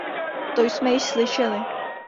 To jsme již slyšeli.